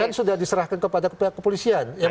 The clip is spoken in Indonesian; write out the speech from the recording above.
kan sudah diserahkan kepada pihak kepolisian